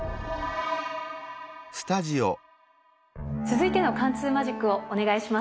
続いての貫通マジックをお願いします。